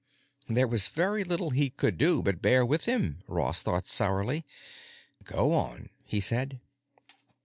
There was very little he could do but bear with him, Ross thought sourly. "Go on," he said.